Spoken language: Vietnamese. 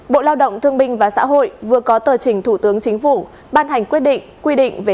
bộ lao động thương minh và xã hội vừa có tờ trình thủ tướng chính phủ ban hành quyết định quy định về